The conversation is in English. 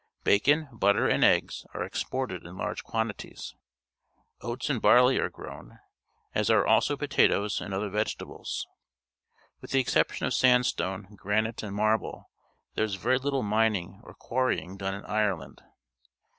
Bacon, butter, and eggs are exported in large quantities. Oats and barley are grown, as are also potatoes and other vegetables. With the exception of sand stone, granite, and marble, there is very little mining or quarrying done in Ireland.